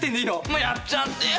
もうやっちゃってよ